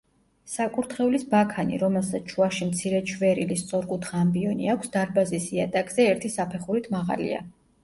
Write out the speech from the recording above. საკურთხევლის ბაქანი, რომელსაც შუაში მცირედ შვერილი სწორკუთხა ამბიონი აქვს, დარბაზის იატაკზე ერთი საფეხურით მაღალია.